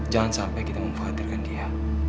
jangan sampai kita mengkhawatirkan dia